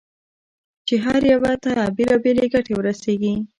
چې هر یوه ته بېلابېلې ګټې ورسېږي.